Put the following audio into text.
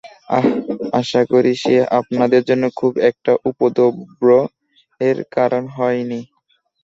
অহ, আশা করি সে আপনাদের জন্য খুব একটা উপদ্রবের কারণ হয়নি।